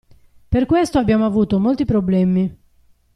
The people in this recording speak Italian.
Per questo abbiamo avuto molti problemi.